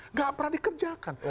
nggak pernah dikerjakan